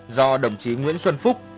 do đồng chí nguyễn xuân phúc